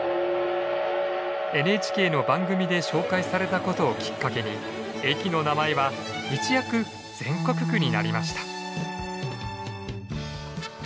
ＮＨＫの番組で紹介されたことをきっかけに駅の名前は一躍全国区になりました。